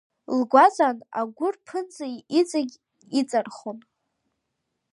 Лгәаҵан агәыр ԥынҵа иҵегь иҵархон.